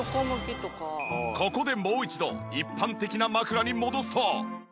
ここでもう一度一般的な枕に戻すと。